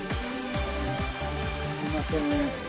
すいません。